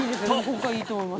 ここがいいと思います。